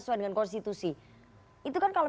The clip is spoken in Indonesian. sesuai dengan konstitusi itu kan kalau